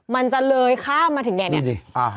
มันจะเลยข้ามมาถึงเนี่ย